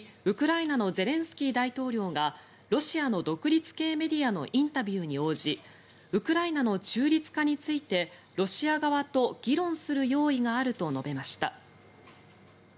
ウクライナのゼレンスキー大統領がロシアの独立系メディアのインタビューに応じウクライナの中立化についてロシア側と議論する用意があると述べました。